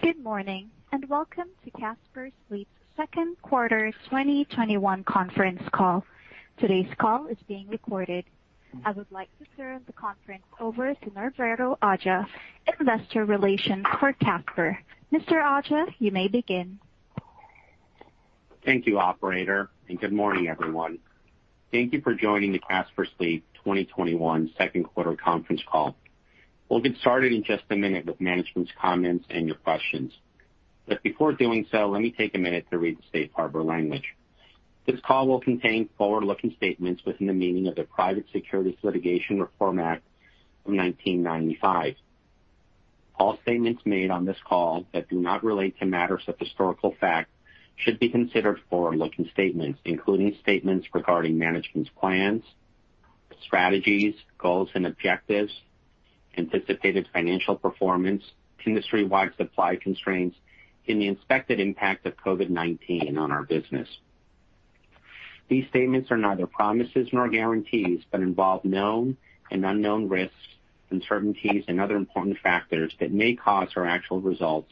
Good morning. Welcome to Casper Sleep's second quarter 2021 conference call. Today's call is being recorded. I would like to turn the conference over to Norberto Aja, Investor Relations for Casper. Mr. Aja, you may begin. Thank you, operator, good morning, everyone. Thank you for joining the Casper Sleep 2021 second quarter conference call. We'll get started in just a minute with management's comments and your questions. Before doing so, let me take a minute to read the safe harbor language. This call will contain forward-looking statements within the meaning of the Private Securities Litigation Reform Act of 1995. All statements made on this call that do not relate to matters of historical fact should be considered forward-looking statements, including statements regarding management's plans, strategies, goals, and objectives, anticipated financial performance, industry-wide supply constraints, and the expected impact of COVID-19 on our business. These statements are neither promises nor guarantees but involve known and unknown risks, uncertainties, and other important factors that may cause our actual results,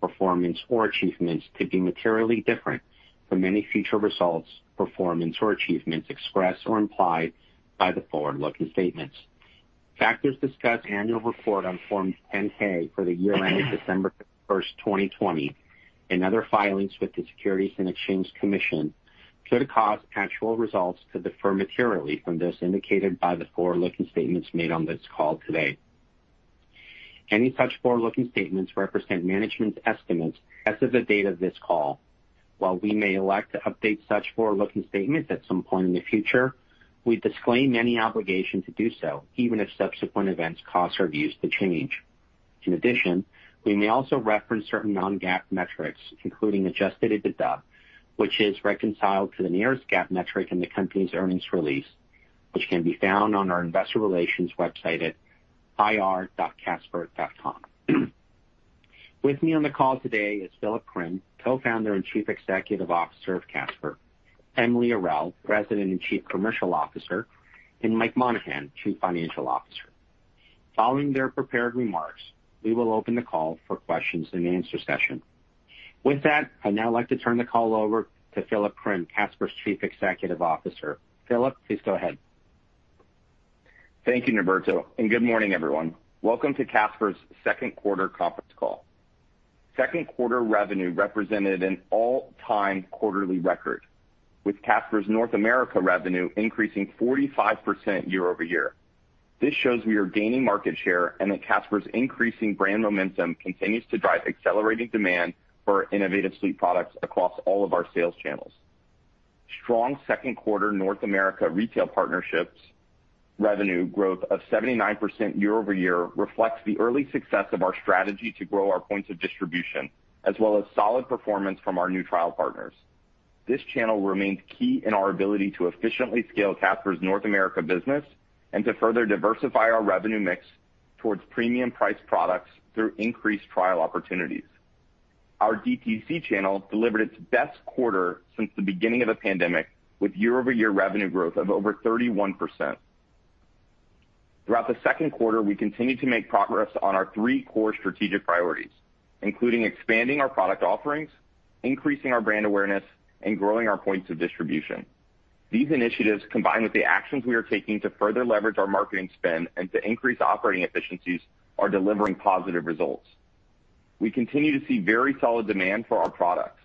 performance, or achievements to be materially different from any future results, performance, or achievements expressed or implied by the forward-looking statements. Factors discussed in annual report on Form 10-K for the year ended December 1st, 2020, and other filings with the Securities and Exchange Commission could cause actual results to differ materially from those indicated by the forward-looking statements made on this call today. Any such forward-looking statements represent management's estimates as of the date of this call. While we may elect to update such forward-looking statements at some point in the future, we disclaim any obligation to do so, even if subsequent events cause reviews to change. In addition, we may also reference certain non-GAAP metrics, including adjusted EBITDA, which is reconciled to the nearest GAAP metric in the company's earnings release, which can be found on our investor relations website at ir.casper.com. With me on the call today is Philip Krim, Co-founder and Chief Executive Officer of Casper, Emilie Arel, President and Chief Commercial Officer, and Michael Monahan, Chief Financial Officer. Following their prepared remarks, we will open the call for questions and answer session. With that, I'd now like to turn the call over to Philip Krim, Casper's Chief Executive Officer. Philip, please go ahead. Thank you, Norberto, good morning, everyone. Welcome to Casper's second quarter conference call. Second quarter revenue represented an all-time quarterly record, with Casper's North America revenue increasing 45% year-over-year. This shows we are gaining market share and that Casper's increasing brand momentum continues to drive accelerating demand for innovative sleep products across all of our sales channels. Strong second quarter North America retail partnerships revenue growth of 79% year-over-year reflects the early success of our strategy to grow our points of distribution as well as solid performance from our new trial partners. This channel remains key in our ability to efficiently scale Casper's North America business and to further diversify our revenue mix towards premium priced products through increased trial opportunities. Our DTC channel delivered its best quarter since the beginning of the pandemic with year-over-year revenue growth of over 31%. Throughout the second quarter, we continued to make progress on our three core strategic priorities, including expanding our product offerings, increasing our brand awareness, and growing our points of distribution. These initiatives, combined with the actions we are taking to further leverage our marketing spend and to increase operating efficiencies, are delivering positive results. We continue to see very solid demand for our products,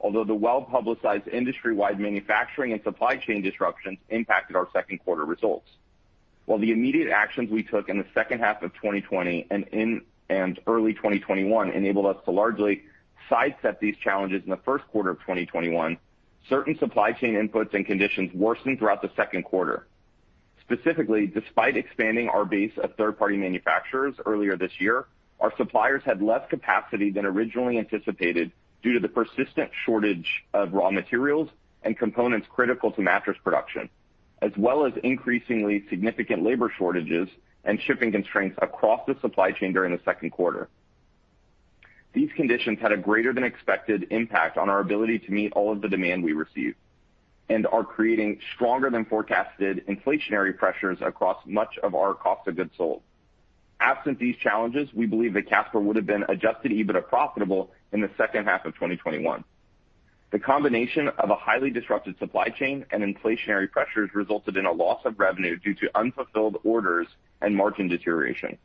although the well-publicized industry-wide manufacturing and supply chain disruptions impacted our second quarter results. While the immediate actions we took in the second half of 2020 and early 2021 enabled us to largely sidestep these challenges in the first quarter of 2021, certain supply chain inputs and conditions worsened throughout the second quarter. Specifically, despite expanding our base of third-party manufacturers earlier this year, our suppliers had less capacity than originally anticipated due to the persistent shortage of raw materials and components critical to mattress production, as well as increasingly significant labor shortages and shipping constraints across the supply chain during the second quarter. These conditions had a greater than expected impact on our ability to meet all of the demand we received and are creating stronger than forecasted inflationary pressures across much of our cost of goods sold. Absent these challenges, we believe that Casper would've been adjusted EBITDA profitable in the second half of 2021. The combination of a highly disrupted supply chain and inflationary pressures resulted in a loss of revenue due to unfulfilled orders and margin deterioration.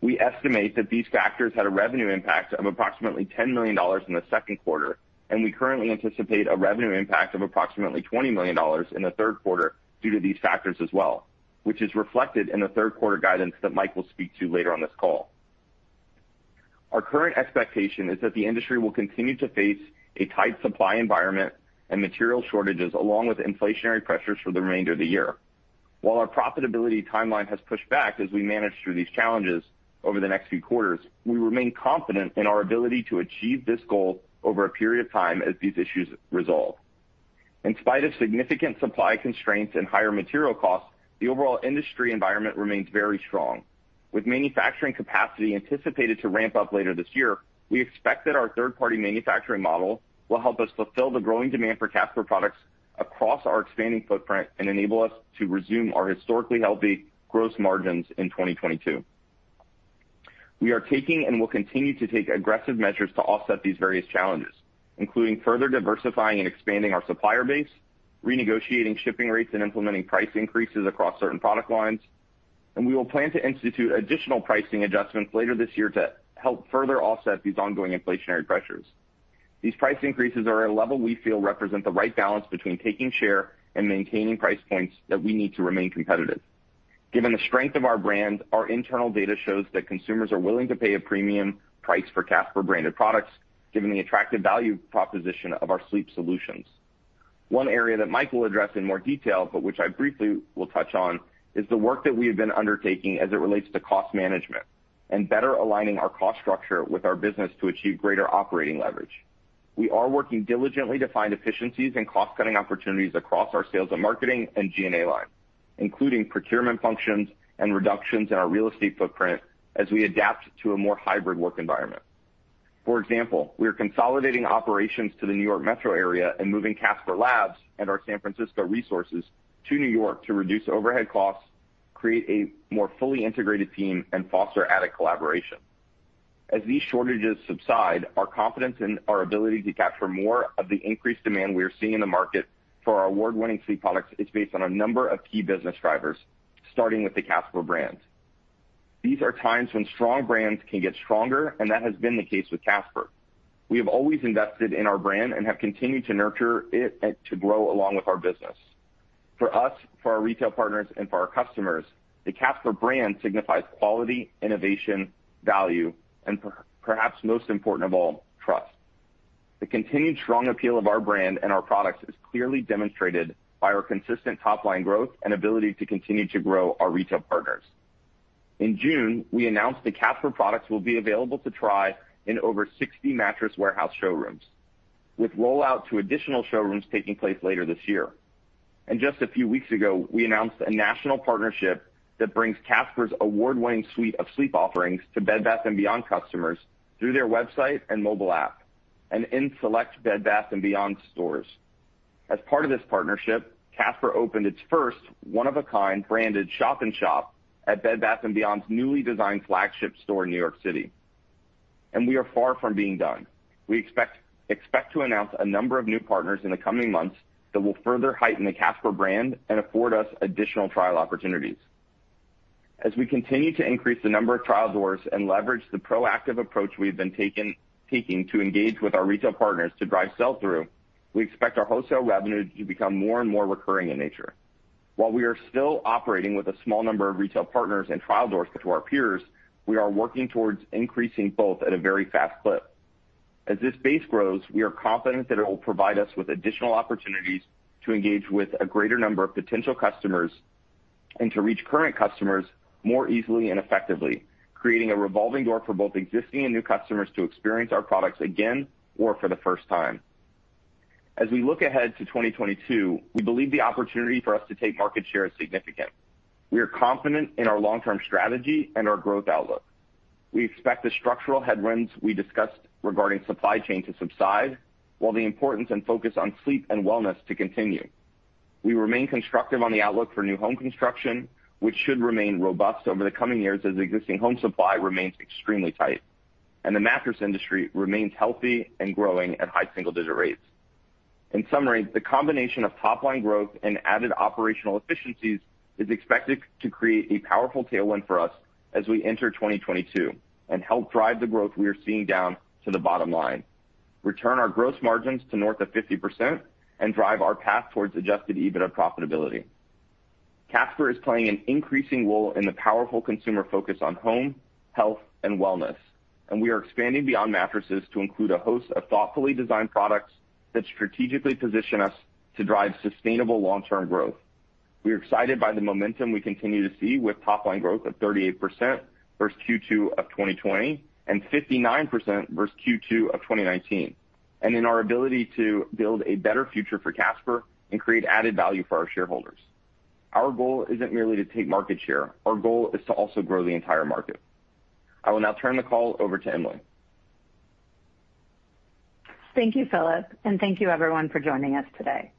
We estimate that these factors had a revenue impact of approximately $10 million in the second quarter, and we currently anticipate a revenue impact of approximately $20 million in the third quarter due to these factors as well, which is reflected in the third quarter guidance that Mike will speak to later on this call. Our current expectation is that the industry will continue to face a tight supply environment and material shortages along with inflationary pressures for the remainder of the year. While our profitability timeline has pushed back as we manage through these challenges over the next few quarters, we remain confident in our ability to achieve this goal over a period of time as these issues resolve. In spite of significant supply constraints and higher material costs, the overall industry environment remains very strong. With manufacturing capacity anticipated to ramp up later this year, we expect that our third-party manufacturing model will help us fulfill the growing demand for Casper products across our expanding footprint and enable us to resume our historically healthy gross margins in 2022.We are taking and will continue to take aggressive measures to offset these various challenges, including further diversifying and expanding our supplier base, renegotiating shipping rates, and implementing price increases across certain product lines. We will plan to institute additional pricing adjustments later this year to help further offset these ongoing inflationary pressures. These price increases are at a level we feel represent the right balance between taking share and maintaining price points that we need to remain competitive. Given the strength of our brand, our internal data shows that consumers are willing to pay a premium price for Casper-branded products, given the attractive value proposition of our sleep solutions. One area that Michael Monahan will address in more detail, but which I briefly will touch on, is the work that we have been undertaking as it relates to cost management and better aligning our cost structure with our business to achieve greater operating leverage. We are working diligently to find efficiencies and cost-cutting opportunities across our sales and marketing and G&A lines, including procurement functions and reductions in our real estate footprint as we adapt to a more hybrid work environment. For example, we are consolidating operations to the New York Metro area and moving Casper Labs and our San Francisco resources to New York to reduce overhead costs, create a more fully integrated team, and foster added collaboration. As these shortages subside, our confidence in our ability to capture more of the increased demand we are seeing in the market for our award-winning sleep products is based on a number of key business drivers, starting with the Casper brand. These are times when strong brands can get stronger, and that has been the case with Casper. We have always invested in our brand and have continued to nurture it to grow along with our business. For us, for our retail partners, and for our customers, the Casper brand signifies quality, innovation, value, and perhaps most important of all, trust. The continued strong appeal of our brand and our products is clearly demonstrated by our consistent top-line growth and ability to continue to grow our retail partners. In June, we announced that Casper products will be available to try in over 60 Mattress Warehouse showrooms, with rollout to additional showrooms taking place later this year. Just a few weeks ago, we announced a national partnership that brings Casper's award-winning suite of sleep offerings to Bed Bath & Beyond customers through their website and mobile app and in select Bed Bath & Beyond stores. As part of this partnership, Casper opened its first one-of-a-kind branded shop-in-shop at Bed Bath & Beyond's newly designed flagship store in New York City. We are far from being done. We expect to announce a number of new partners in the coming months that will further heighten the Casper brand and afford us additional trial opportunities. As we continue to increase the number of trial doors and leverage the proactive approach we've been taking to engage with our retail partners to drive sell-through, we expect our wholesale revenue to become more and more recurring in nature. While we are still operating with a small number of retail partners and trial doors to our peers, we are working towards increasing both at a very fast clip. As this base grows, we are confident that it will provide us with additional opportunities to engage with a greater number of potential customers and to reach current customers more easily and effectively, creating a revolving door for both existing and new customers to experience our products again or for the first time. As we look ahead to 2022, we believe the opportunity for us to take market share is significant. We are confident in our long-term strategy and our growth outlook. We expect the structural headwinds we discussed regarding supply chain to subside, while the importance and focus on sleep and wellness to continue. We remain constructive on the outlook for new home construction, which should remain robust over the coming years as existing home supply remains extremely tight, and the mattress industry remains healthy and growing at high single-digit rates. In summary, the combination of top-line growth and added operational efficiencies is expected to create a powerful tailwind for us as we enter 2022 and help drive the growth we are seeing down to the bottom line, return our gross margins to north of 50%, and drive our path towards adjusted EBITDA profitability. Casper is playing an increasing role in the powerful consumer focus on home, health, and wellness, and we are expanding beyond mattresses to include a host of thoughtfully designed products that strategically position us to drive sustainable long-term growth. We are excited by the momentum we continue to see with top-line growth of 38% versus Q2 2020 and 59% versus Q2 2019, and in our ability to build a better future for Casper and create added value for our shareholders. Our goal isn't merely to take market share. Our goal is to also grow the entire market. I will now turn the call over to Emilie. Thank you, Philip, and thank you, everyone, for joining us today.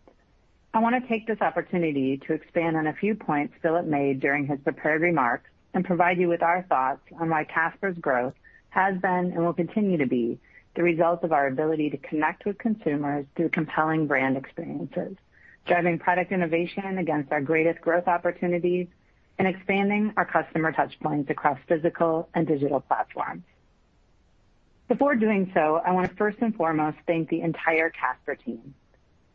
I want to take this opportunity to expand on a few points Philip made during his prepared remarks and provide you with our thoughts on why Casper's growth has been and will continue to be the result of our ability to connect with consumers through compelling brand experiences, driving product innovation against our greatest growth opportunities, and expanding our customer touchpoints across physical and digital platforms. Before doing so, I want to first and foremost thank the entire Casper team.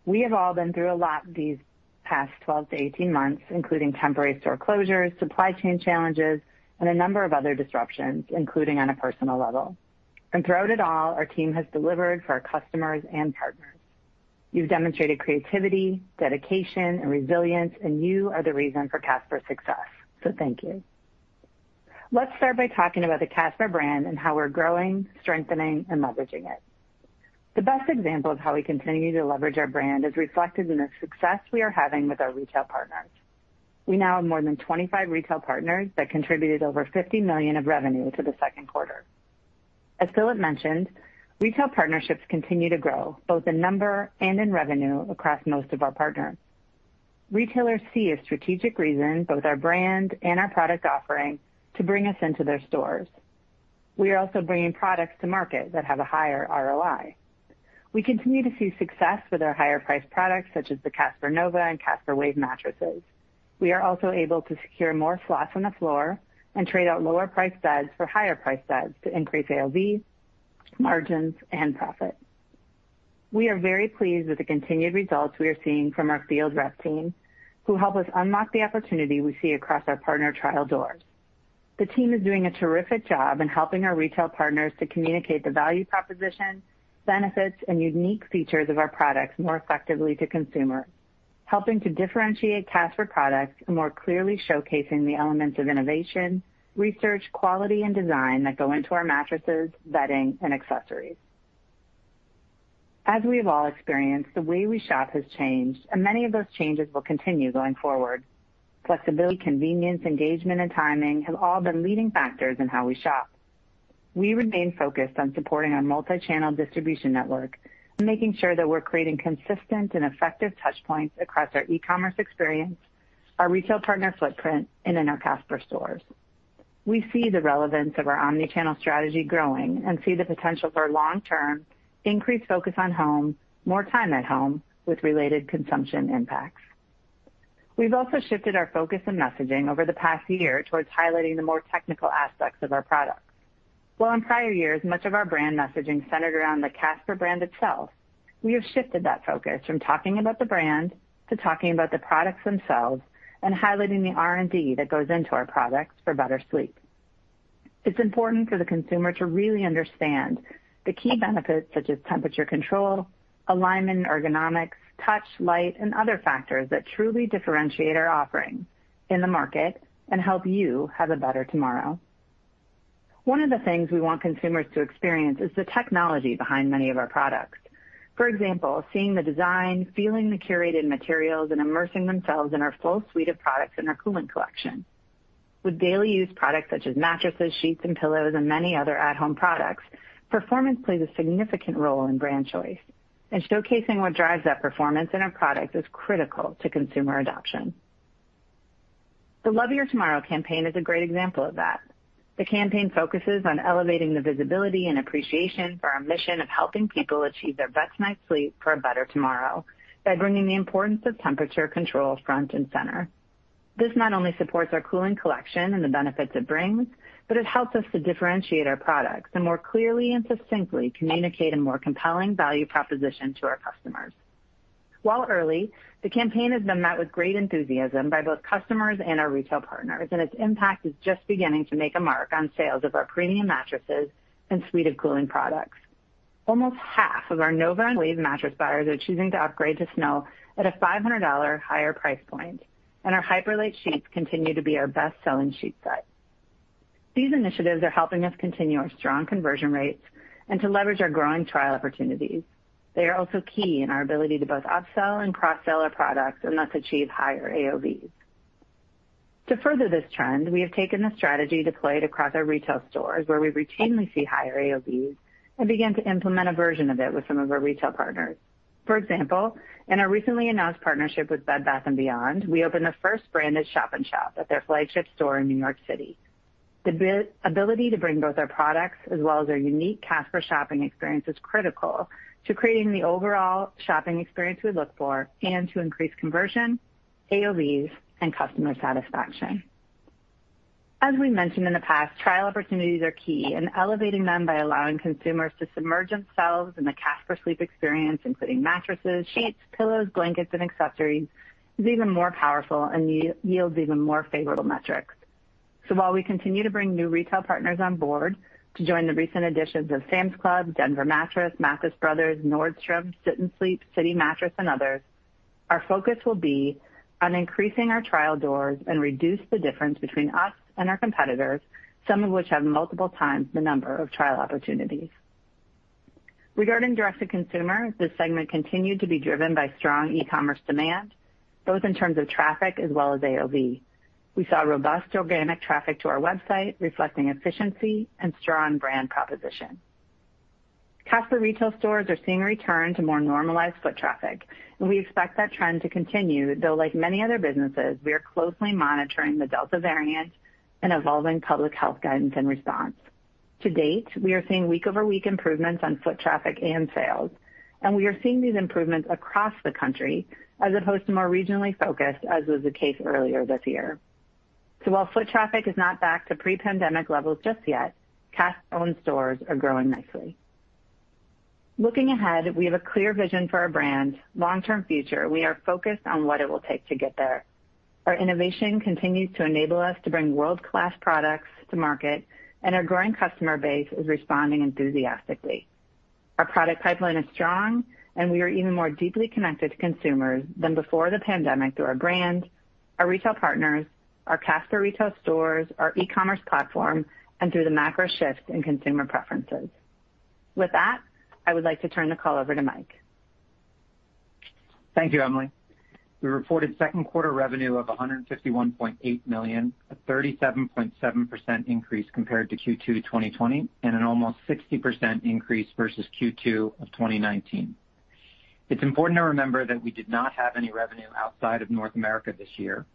We have all been through a lot these past 12 to 18 months, including temporary store closures, supply chain challenges, and a number of other disruptions, including on a personal level. Throughout it all, our team has delivered for our customers and partners. You've demonstrated creativity, dedication, and resilience. You are the reason for Casper's success. Thank you. Let's start by talking about the Casper brand and how we're growing, strengthening, and leveraging it. The best example of how we continue to leverage our brand is reflected in the success we are having with our retail partners. We now have more than 25 retail partners that contributed over $50 million of revenue to the second quarter. As Philip mentioned, retail partnerships continue to grow both in number and in revenue across most of our partners. Retailers see a strategic reason, both our brand and our product offering, to bring us into their stores. We are also bringing products to market that have a higher ROI. We continue to see success with our higher priced products, such as the Casper Nova and Casper Wave mattresses. We are also able to secure more slots on the floor and trade out lower priced beds for higher priced beds to increase AOV, margins, and profit. We are very pleased with the continued results we are seeing from our field rep team, who help us unlock the opportunity we see across our partner trial doors. The team is doing a terrific job in helping our retail partners to communicate the value proposition, benefits, and unique features of our products more effectively to consumer, helping to differentiate Casper products and more clearly showcasing the elements of innovation, research, quality, and design that go into our mattresses, bedding, and accessories. As we've all experienced, the way we shop has changed, and many of those changes will continue going forward. Flexibility, convenience, engagement, and timing have all been leading factors in how we shop. We remain focused on supporting our multi-channel distribution network and making sure that we're creating consistent and effective touch points across our e-commerce experience, our retail partner footprint, and in our Casper stores. We see the relevance of our omni-channel strategy growing and see the potential for long-term increased focus on home, more time at home, with related consumption impacts. We've also shifted our focus and messaging over the past year towards highlighting the more technical aspects of our products. While in prior years, much of our brand messaging centered around the Casper brand itself, we have shifted that focus from talking about the brand to talking about the products themselves and highlighting the R&D that goes into our products for better sleep. It's important for the consumer to really understand the key benefits, such as temperature control, alignment, ergonomics, touch, light, and other factors that truly differentiate our offerings in the market and help you have a better tomorrow. One of the things we want consumers to experience is the technology behind many of our products. For example, seeing the design, feeling the curated materials, and immersing themselves in our full suite of products in our Cooling Collection. With daily use products such as mattresses, sheets, and pillows, and many other at-home products, performance plays a significant role in brand choice, and showcasing what drives that performance in a product is critical to consumer adoption. The Love Your Tomorrow campaign is a great example of that. The campaign focuses on elevating the visibility and appreciation for our mission of helping people achieve their best night's sleep for a better tomorrow by bringing the importance of temperature control front and center. This not only supports our Cooling Collection and the benefits it brings. It helps us to differentiate our products and more clearly and succinctly communicate a more compelling value proposition to our customers. While early, the campaign has been met with great enthusiasm by both customers and our retail partners. Its impact is just beginning to make a mark on sales of our premium mattresses and suite of cooling products. Almost half of our Nova and Wave mattress buyers are choosing to upgrade to Snow at a $500 higher price point. Our Hyperlite sheets continue to be our best-selling sheet set. These initiatives are helping us continue our strong conversion rates and to leverage our growing trial opportunities. They are also key in our ability to both upsell and cross-sell our products and thus achieve higher AOVs. To further this trend, we have taken the strategy deployed across our retail stores, where we routinely see higher AOVs and began to implement a version of it with some of our retail partners. For example, in our recently announced partnership with Bed Bath & Beyond, we opened the first branded shop-in-shop at their flagship store in New York City. The ability to bring both our products as well as our unique Casper shopping experience is critical to creating the overall shopping experience we look for and to increase conversion, AOVs, and customer satisfaction. As we mentioned in the past, trial opportunities are key and elevating them by allowing consumers to submerge themselves in the Casper Sleep experience, including mattresses, sheets, pillows, blankets, and accessories, is even more powerful and yields even more favorable metrics. While we continue to bring new retail partners on board to join the recent additions of Sam's Club, Denver Mattress, Mathis Brothers, Nordstrom, Sit'n Sleep, City Mattress, and others, our focus will be on increasing our trial doors and reduce the difference between us and our competitors, some of which have multiple times the number of trial opportunities. Regarding direct-to-consumer, this segment continued to be driven by strong e-commerce demand, both in terms of traffic as well as AOV. We saw robust organic traffic to our website, reflecting efficiency and strong brand proposition. Casper retail stores are seeing a return to more normalized foot traffic, and we expect that trend to continue, though like many other businesses, we are closely monitoring the Delta variant and evolving public health guidance in response. To date, we are seeing week-over-week improvements on foot traffic and sales, and we are seeing these improvements across the country as opposed to more regionally focused, as was the case earlier this year. While foot traffic is not back to pre-pandemic levels just yet, Casper-owned stores are growing nicely. Looking ahead, we have a clear vision for our brand. Long-term future, we are focused on what it will take to get there. Our innovation continues to enable us to bring world-class products to market, and our growing customer base is responding enthusiastically. Our product pipeline is strong. We are even more deeply connected to consumers than before the pandemic through our brand, our retail partners, our Casper retail stores, our e-commerce platform, and through the macro shift in consumer preferences. With that, I would like to turn the call over to Mike. Thank you, Emilie. We reported second quarter revenue of $151.8 million, a 37.7% increase compared to Q2 2020, and an almost 60% increase versus Q2 of 2019. It's important to remember that we did not have any revenue outside of North America this year,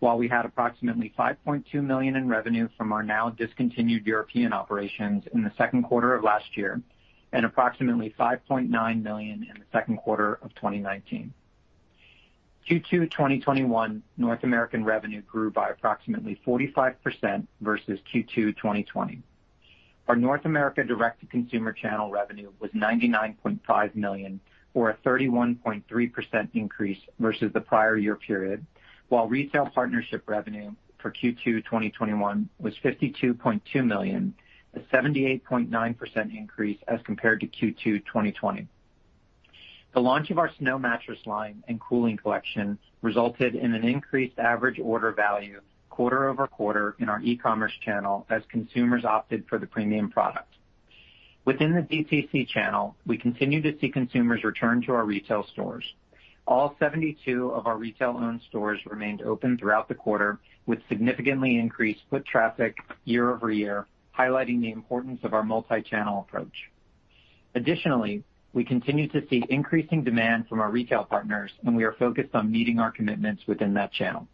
while we had approximately $5.2 million in revenue from our now-discontinued European operations in the second quarter of last year, and approximately $5.9 million in the second quarter of 2019. Q2 2021, North American revenue grew by approximately 45% versus Q2 2020. Our North America direct-to-consumer channel revenue was $99.5 million, or a 31.3% increase versus the prior year period, while retail partnership revenue for Q2 2021 was $52.2 million, a 78.9% increase as compared to Q2 2020. The launch of our Snow mattress line and Cooling Collection resulted in an increased average order value quarter-over-quarter in our e-commerce channel, as consumers opted for the premium product. Within the DTC channel, we continue to see consumers return to our retail stores. All 72 of our retail-owned stores remained open throughout the quarter, with significantly increased foot traffic year-over-year, highlighting the importance of our multi-channel approach. Additionally, we continue to see increasing demand from our retail partners, and we are focused on meeting our commitments within that channel.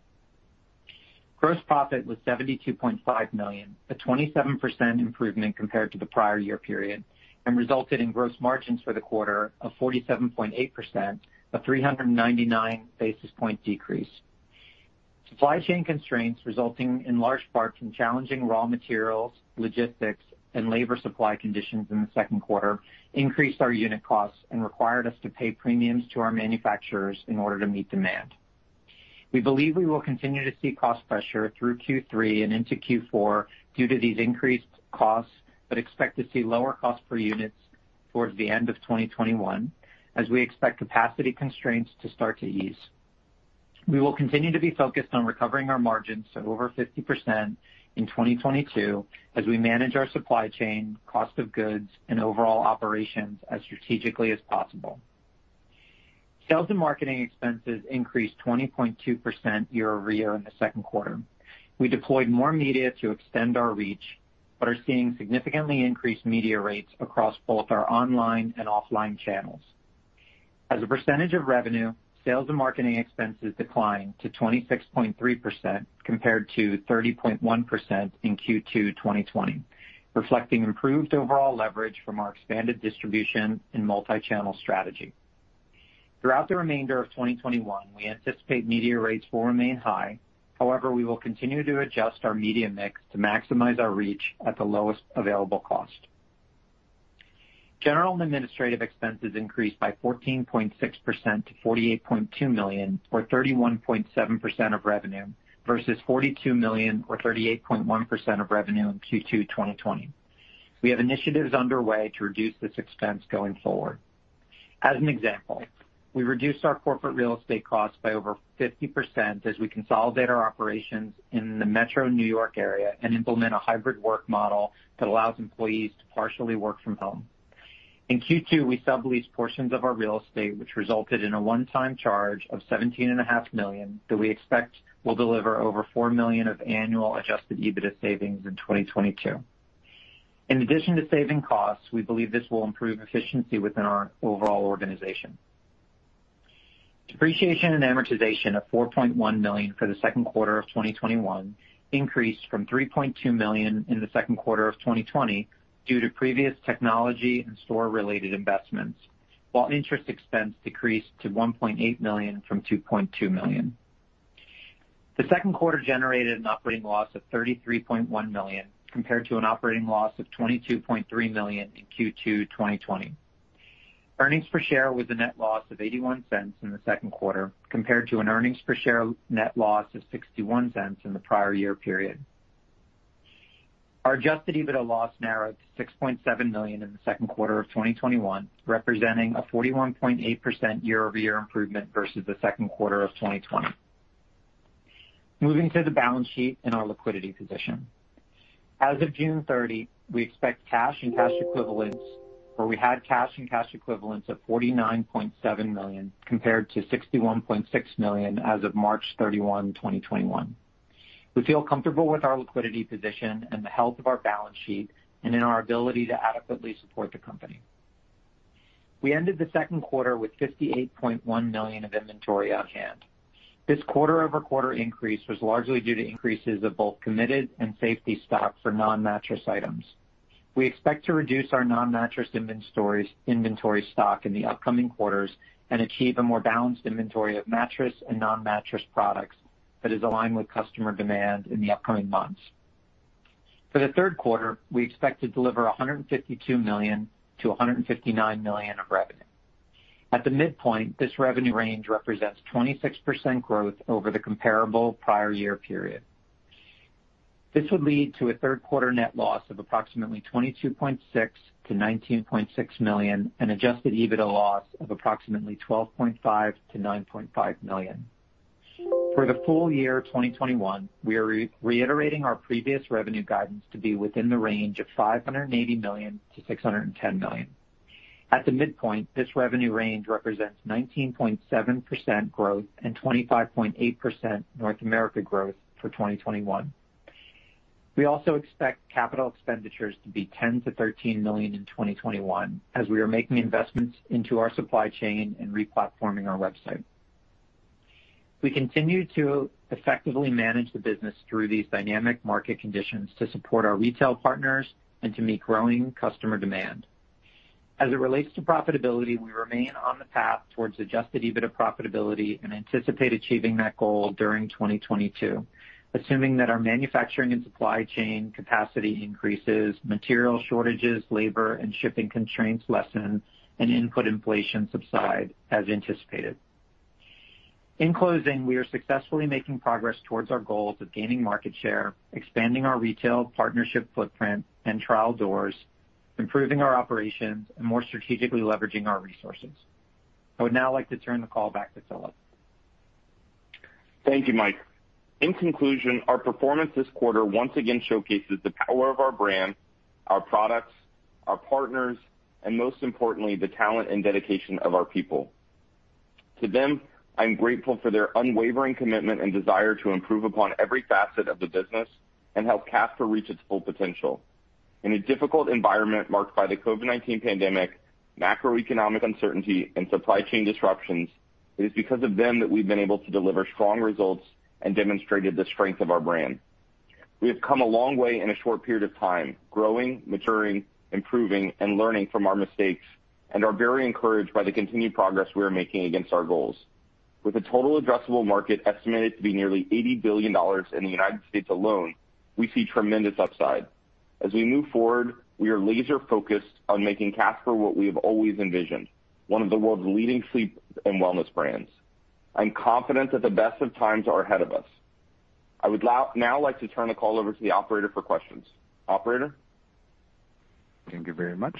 Gross profit was $72.5 million, a 27% improvement compared to the prior year period, and resulted in gross margins for the quarter of 47.8%, a 399 basis point decrease. Supply chain constraints, resulting in large part from challenging raw materials, logistics, and labor supply conditions in the second quarter, increased our unit costs and required us to pay premiums to our manufacturers in order to meet demand. We believe we will continue to see cost pressure through Q3 and into Q4 due to these increased costs, but expect to see lower cost per units towards the end of 2021 as we expect capacity constraints to start to ease. We will continue to be focused on recovering our margins to over 50% in 2022 as we manage our supply chain, cost of goods, and overall operations as strategically as possible. Sales and marketing expenses increased 20.2% year-over-year in the second quarter. We deployed more media to extend our reach, but are seeing significantly increased media rates across both our online and offline channels. As a percentage of revenue, sales and marketing expenses declined to 26.3% compared to 30.1% in Q2 2020, reflecting improved overall leverage from our expanded distribution and multi-channel strategy. Throughout the remainder of 2021, we anticipate media rates will remain high. However, we will continue to adjust our media mix to maximize our reach at the lowest available cost. General and administrative expenses increased by 14.6% to $48.2 million, or 31.7% of revenue, versus $42 million or 38.1% of revenue in Q2 2020. We have initiatives underway to reduce this expense going forward. As an example, we reduced our corporate real estate costs by over 50% as we consolidate our operations in the metro New York area and implement a hybrid work model that allows employees to partially work from home. In Q2, we subleased portions of our real estate, which resulted in a one-time charge of $17.5 million that we expect will deliver over $4 million of annual adjusted EBITDA savings in 2022. In addition to saving costs, we believe this will improve efficiency within our overall organization. Depreciation and amortization of $4.1 million for the second quarter of 2021 increased from $3.2 million in the second quarter of 2020 due to previous technology and store-related investments, while interest expense decreased to $1.8 million from $2.2 million. The second quarter generated an operating loss of $33.1 million, compared to an operating loss of $22.3 million in Q2 2020. Earnings per share was a net loss of $0.81 in the second quarter, compared to an earnings per share net loss of $0.61 in the prior year period. Our adjusted EBITDA loss narrowed to $6.7 million in the second quarter of 2021, representing a 41.8% year-over-year improvement versus the second quarter of 2020. Moving to the balance sheet and our liquidity position. As of June 30, we had cash and cash equivalents of $49.7 million, compared to $61.6 million as of March 31, 2021. We feel comfortable with our liquidity position and the health of our balance sheet, and in our ability to adequately support the company. We ended the second quarter with $58.1 million of inventory on hand. This quarter-over-quarter increase was largely due to increases of both committed and safety stock for non-mattress items. We expect to reduce our non-mattress inventory stock in the upcoming quarters, and achieve a more balanced inventory of mattress and non-mattress products that is aligned with customer demand in the upcoming months. For the third quarter, we expect to deliver $152 million-$159 million of revenue. At the midpoint, this revenue range represents 26% growth over the comparable prior year period. This would lead to a third quarter net loss of approximately $22.6 million-$19.6 million and adjusted EBITDA loss of approximately $12.5 million-$9.5 million. For the full year 2021, we are reiterating our previous revenue guidance to be within the range of $580 million-$610 million. At the midpoint, this revenue range represents 19.7% growth and 25.8% North America growth for 2021. We also expect capital expenditures to be $10 million to $13 million in 2021, as we are making investments into our supply chain and re-platforming our website. We continue to effectively manage the business through these dynamic market conditions to support our retail partners and to meet growing customer demand. As it relates to profitability, we remain on the path towards adjusted EBITDA profitability and anticipate achieving that goal during 2022, assuming that our manufacturing and supply chain capacity increases, material shortages, labor and shipping constraints lessen, and input inflation subside as anticipated. In closing, we are successfully making progress towards our goals of gaining market share, expanding our retail partnership footprint and trial doors, improving our operations, and more strategically leveraging our resources. I would now like to turn the call back to Philip. Thank you, Mike. In conclusion, our performance this quarter once again showcases the power of our brand, our products, our partners, and most importantly, the talent and dedication of our people. To them, I'm grateful for their unwavering commitment and desire to improve upon every facet of the business and help Casper reach its full potential. In a difficult environment marked by the COVID-19 pandemic, macroeconomic uncertainty, and supply chain disruptions, it is because of them that we've been able to deliver strong results and demonstrated the strength of our brand. We have come a long way in a short period of time, growing, maturing, improving, and learning from our mistakes, and are very encouraged by the continued progress we are making against our goals. With a total addressable market estimated to be nearly $80 billion in the U.S. alone, we see tremendous upside. As we move forward, we are laser-focused on making Casper what we have always envisioned, one of the world's leading sleep and wellness brands. I'm confident that the best of times are ahead of us. I would now like to turn the call over to the operator for questions. Operator? Thank you very much.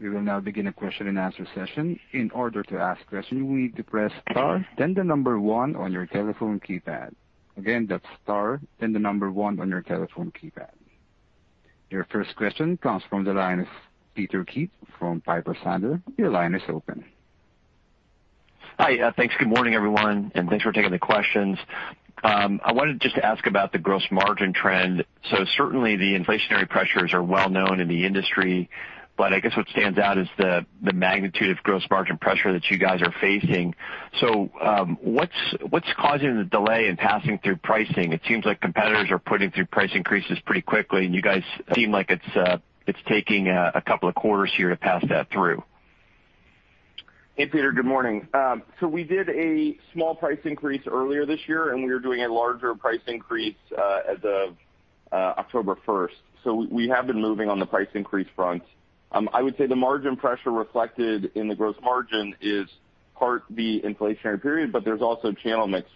We will now begin a question and answer session. In order to ask a question, you will need to press star, then the number one on your telephone keypad. Again, that's star, then the number one on your telephone keypad. Your first question comes from the line of Peter Keith from Piper Sandler. Your line is open. Hi. Thanks. Good morning, everyone, and thanks for taking the questions. I wanted just to ask about the gross margin trend. Certainly, the inflationary pressures are well-known in the industry, but I guess what stands out is the magnitude of gross margin pressure that you guys are facing. What's causing the delay in passing through pricing? It seems like competitors are putting through price increases pretty quickly, and you guys seem like it's taking a couple of quarters here to pass that through. Hey, Peter. Good morning. We did a small price increase earlier this year, and we are doing a larger price increase as of October 1st. We have been moving on the price increase front. I would say the margin pressure reflected in the gross margin is part the inflationary period, but there's also channel mix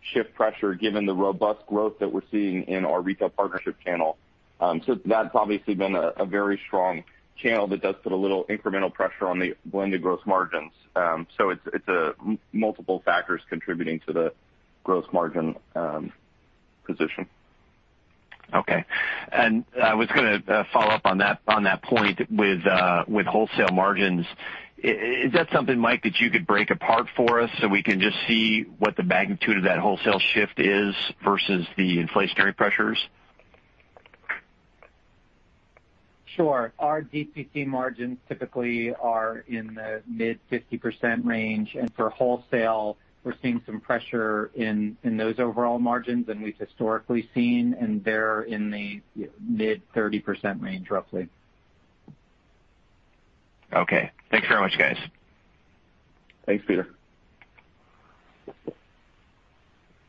shift pressure given the robust growth that we're seeing in our retail partnership channel. That's obviously been a very strong channel that does put a little incremental pressure on the blended gross margins. It's multiple factors contributing to the gross margin position. Okay. I was going to follow up on that point with wholesale margins. Is that something, Mike, that you could break apart for us so we can just see what the magnitude of that wholesale shift is versus the inflationary pressures? Sure. Our DTC margins typically are in the mid-50% range, and for wholesale, we're seeing some pressure in those overall margins than we've historically seen, and they're in the mid-30% range, roughly. Okay. Thanks very much, guys. Thanks, Peter.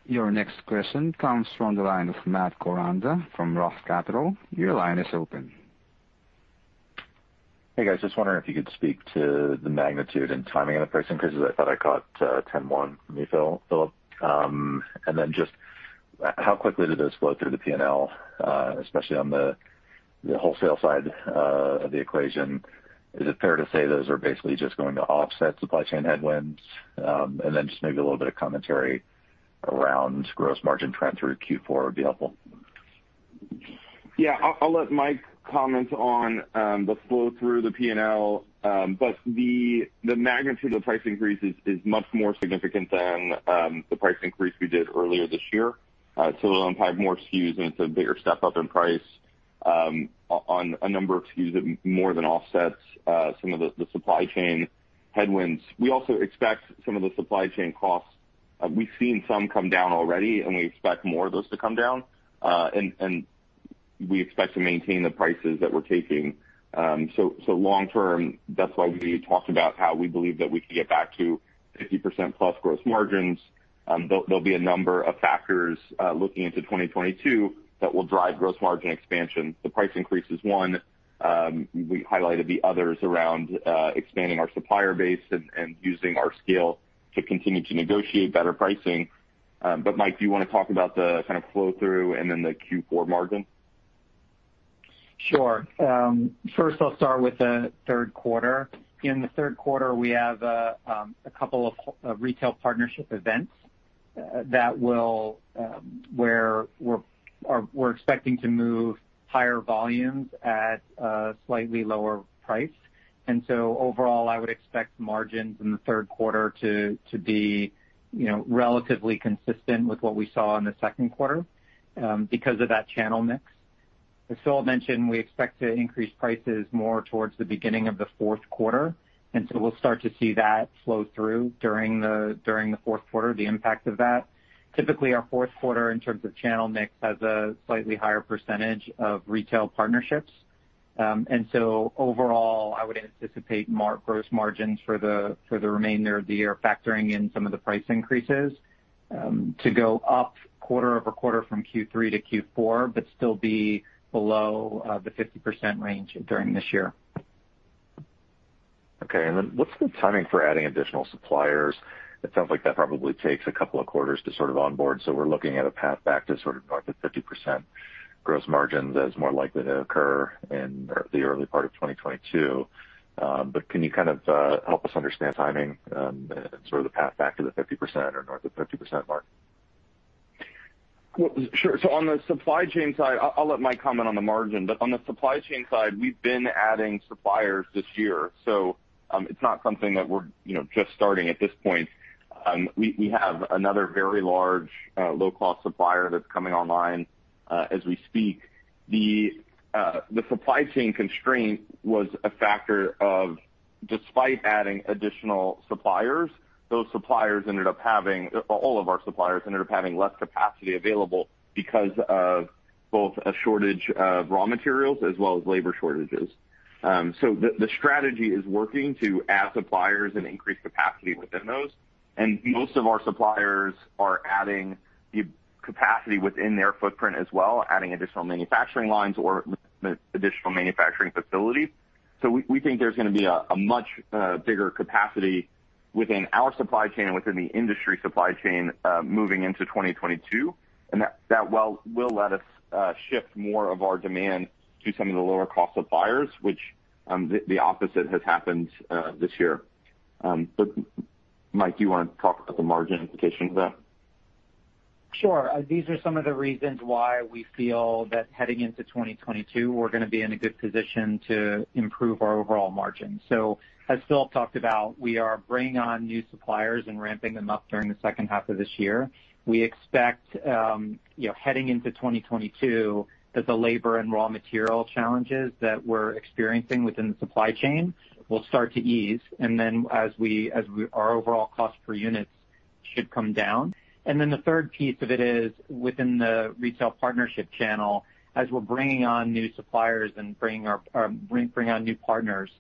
Your next question comes from the line of Matt Koranda from ROTH Capital Partners. Your line is open. Hey, guys. Just wondering if you could speak to the magnitude and timing of the price increases. I thought I caught 10.1 from you, Philip. Then just how quickly did this flow through the P&L, especially on the wholesale side of the equation? Is it fair to say those are basically just going to offset supply chain headwinds? Then just maybe a little bit of commentary around gross margin trends for Q4 would be helpful. Yeah. I'll let Mike comment on the flow through the P&L, but the magnitude of the price increase is much more significant than the price increase we did earlier this year. It'll impact more SKUs, and it's a bigger step-up in price on a number of SKUs. It more than offsets some of the supply chain headwinds. We also expect some of the supply chain costs we've seen some come down already, and we expect more of those to come down. We expect to maintain the prices that we're taking. Long term, that's why we talked about how we believe that we can get back to 50%-plus gross margins. There'll be a number of factors looking into 2022 that will drive gross margin expansion. The price increase is one. We highlighted the others around expanding our supplier base and using our scale to continue to negotiate better pricing. Mike, do you want to talk about the kind of flow through and then the Q4 margin? Sure. First I'll start with the third quarter. In the third quarter, we have a couple of retail partnership events where we're expecting to move higher volumes at a slightly lower price. Overall, I would expect margins in the third quarter to be relatively consistent with what we saw in the second quarter because of that channel mix. As Phil mentioned, we expect to increase prices more towards the beginning of the fourth quarter, and so we'll start to see that flow through during the fourth quarter, the impact of that. Typically, our fourth quarter, in terms of channel mix, has a slightly higher percentage of retail partnerships. Overall, I would anticipate more gross margins for the remainder of the year, factoring in some of the price increases, to go up quarter-over-quarter from Q3 to Q4, but still be below the 50% range during this year. Okay. Then what's the timing for adding additional suppliers? It sounds like that probably takes a couple of quarters to sort of onboard, so we're looking at a path back to sort of north of 50% gross margins as more likely to occur in the early part of 2022. Can you kind of help us understand timing, sort of the path back to the 50% or north of 50% mark? Sure. On the supply chain side, I'll let Mike comment on the margin, but on the supply chain side, we've been adding suppliers this year, so it's not something that we're just starting at this point. We have another very large low-cost supplier that's coming online as we speak. The supply chain constraint was a factor of despite adding additional suppliers, all of our suppliers ended up having less capacity available because of both a shortage of raw materials as well as labor shortages. The strategy is working to add suppliers and increase capacity within those, and most of our suppliers are adding the capacity within their footprint as well, adding additional manufacturing lines or additional manufacturing facilities. We think there's going to be a much bigger capacity within our supply chain, within the industry supply chain, moving into 2022, and that will let us shift more of our demand to some of the lower cost suppliers, which the opposite has happened this year. Mike, do you want to talk about the margin implications of that? Sure. These are some of the reasons why we feel that heading into 2022, we're going to be in a good position to improve our overall margin. As Phil talked about, we are bringing on new suppliers and ramping them up during the second half of this year. We expect, heading into 2022, that the labor and raw material challenges that we're experiencing within the supply chain will start to ease, our overall cost per units should come down. The third piece of it is within the retail partnership channel, as we're bringing on new suppliers and bringing on new partners,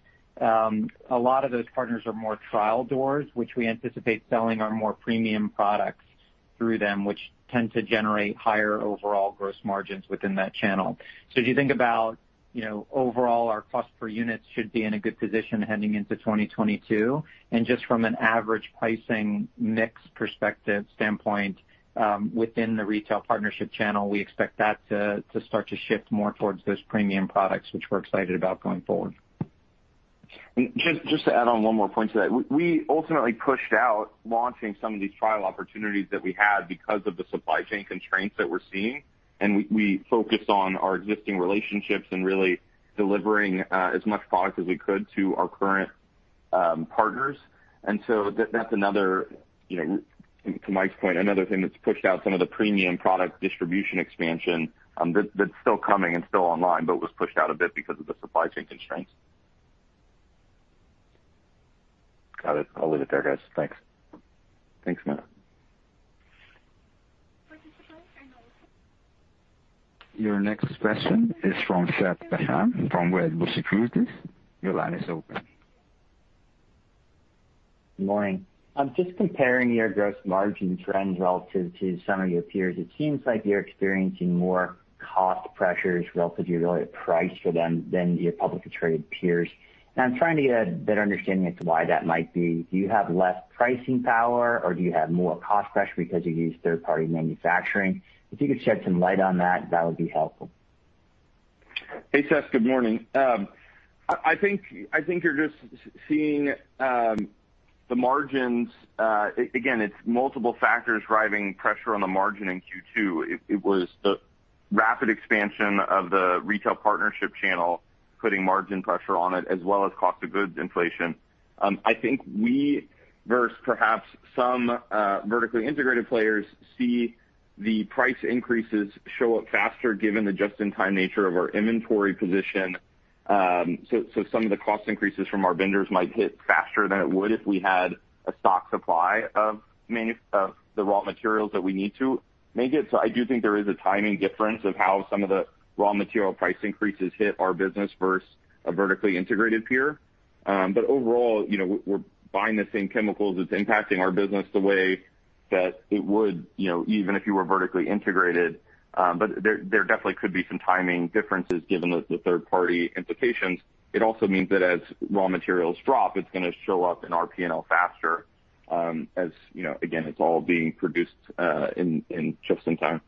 a lot of those partners are more trial doors, which we anticipate selling our more premium products through them, which tend to generate higher overall gross margins within that channel. If you think about overall, our cost per units should be in a good position heading into 2022. Just from an average pricing mix perspective standpoint, within the retail partnership channel, we expect that to start to shift more towards those premium products, which we're excited about going forward. Just to add on one more point to that. We ultimately pushed out launching some of these trial opportunities that we had because of the supply chain constraints that we're seeing, and we focused on our existing relationships and really delivering as much product as we could to our current partners. To Mike's point, another thing that's pushed out some of the premium product distribution expansion, that's still coming and still online, but was pushed out a bit because of the supply chain constraints. Got it. I'll leave it there, guys. Thanks. Thanks, Matt. Your next question is from Seth Basham from Wedbush Securities. Your line is open. Morning. Just comparing your gross margin trends relative to some of your peers, it seems like you're experiencing more cost pressures relative to your price for them than your publicly traded peers. I'm trying to get a better understanding as to why that might be. Do you have less pricing power, or do you have more cost pressure because you use third-party manufacturing? If you could shed some light on that would be helpful. Hey, Seth, good morning. I think you're just seeing the margins. Again, it's multiple factors driving pressure on the margin in Q2. It was the rapid expansion of the retail partnership channel, putting margin pressure on it, as well as cost of goods inflation. I think we versus perhaps some vertically integrated players see the price increases show up faster given the just-in-time nature of our inventory position. Some of the cost increases from our vendors might hit faster than it would if we had a stock supply of the raw materials that we need to make it. I do think there is a timing difference of how some of the raw material price increases hit our business versus a vertically integrated peer. Overall, we're buying the same chemicals. It's impacting our business the way that it would even if you were vertically integrated. There definitely could be some timing differences given the third-party implications. It also means that as raw materials drop, it's going to show up in our P&L faster. As you know, again, it's all being produced in just in time.